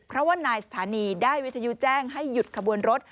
เพราะว่านายสถานีได้วิทยุแจ้งให้หยุดขบวนรถ